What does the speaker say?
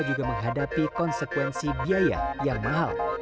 juga menghadapi konsekuensi biaya yang mahal